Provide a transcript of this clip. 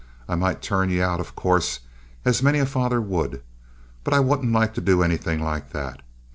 I might turn ye out, of course, as many a father would; but I wouldn't like to do anythin' like that.